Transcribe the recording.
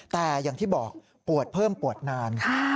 แต่อย่างที่บอกปวดเพิ่มปวดนาน